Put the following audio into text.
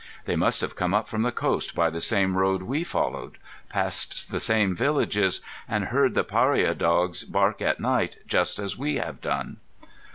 They must have come up from the coast by the same road we followed, passed the same villages, and heard the pariah dogs bark at night just as we have done."